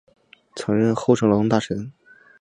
曾任厚生劳动大臣。